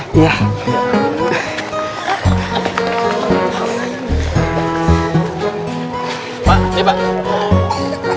pak ini pak